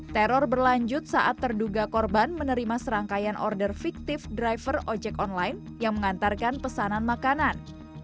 teror berlanjut saat terduga korban menerima serangkaian order fiktif driver ojek online yang mengantarkan pesanan makanan